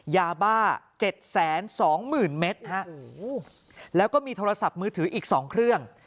ยาบ้า๗๒๐๐๐เมตรแล้วก็มีโทรศัพท์มือถืออีก๒เครื่อง